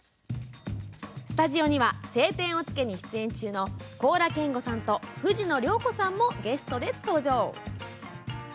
スタジオには「青天を衝け」に出演中の高良健吾さんと藤野涼子さんもゲストで登場。